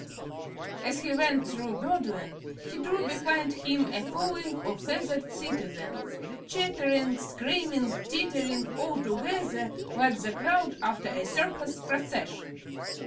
As he went through Birdland he drew behind him a following of feathered citizens, chattering, screaming, tittering all together like the crowd after a circus procession.